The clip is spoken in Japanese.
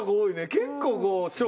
結構。